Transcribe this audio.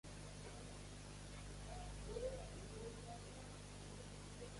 Cory was the first person to describe Cory's shearwater as a species.